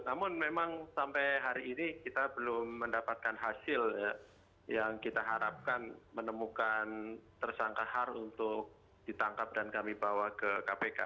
namun memang sampai hari ini kita belum mendapatkan hasil yang kita harapkan menemukan tersangka har untuk ditangkap dan kami bawa ke kpk